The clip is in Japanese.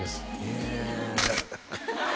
へえ